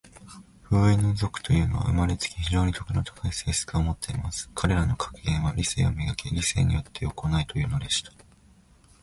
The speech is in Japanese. フウイヌム族というのは、生れつき、非常に徳の高い性質を持っています。彼等の格言は、『理性を磨け。理性によって行え。』というのでした。